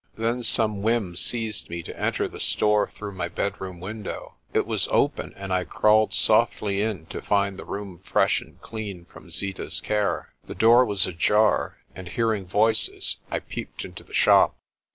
Then some whim seized me to enter the store through my bed room window. It was open, and I crawled softly in to find the room fresh and clean from Zeeta's care. The door was ajar, and, hearing voices, I peeped into the shop.